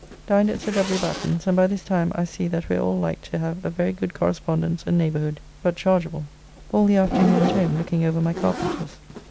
Dined at Sir W. Batten's, and by this time I see that we are like to have a very good correspondence and neighbourhood, but chargeable. All the afternoon at home looking over my carpenters.